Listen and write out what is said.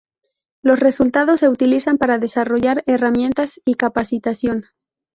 Los resultados se utilizan para desarrollar herramientas y capacitación.